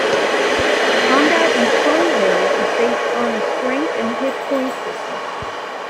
Combat in "Stronghold" is based on a strength and hit point system.